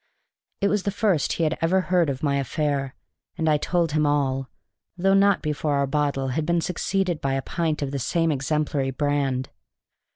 It was the first he had ever heard of my affair, and I told him all, though not before our bottle had been succeeded by a pint of the same exemplary brand.